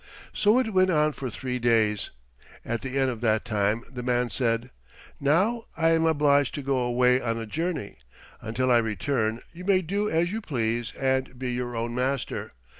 So it went on for three days. At the end of that time the man said, "Now I am obliged to go away on a journey. Until I return you may do as you please and be your own master.